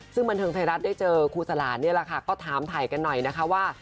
ซึ่งบันเทิงไทยรัฐได้เจอครูสลานนี่แหละค่ะก็ถามถ่ายกันหน่อยนะคะว่า